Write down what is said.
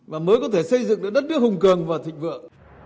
và mới có thể xây dựng được đất nước hùng cường và thịnh vượng